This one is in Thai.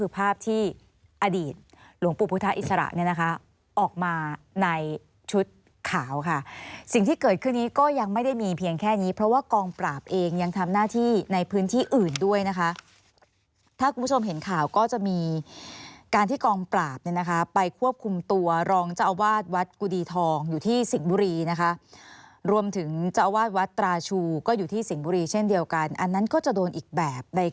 ประดีตหลวงปุธาอิสระนะคะออกมาในชุดข่าวค่ะสิ่งที่เกิดคืนนี้ก็ยังไม่ได้มีเพียงแค่นี้เพราะว่ากองปราบเองยังทำหน้าที่ในพื้นที่อื่นด้วยนะคะถ้าผู้ชมเห็นข่าวก็จะมีการที่กองปราบนี่นะคะ